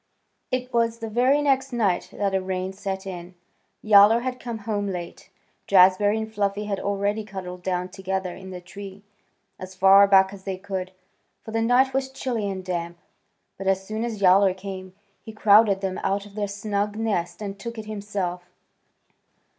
It was the very next night that a rain set in. Yowler had come home late. Jazbury and Fluffy had already cuddled down together in the tree, as far back as they could, for the night was chilly and damp. But as soon as Yowler came he crowded them out of their snug nest and took it himself.